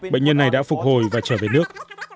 bệnh nhân này đã phục hồi và trở về nước